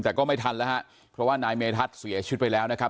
แต่ก็ไม่ทันแล้วฮะเพราะว่านายเมทัศน์เสียชีวิตไปแล้วนะครับ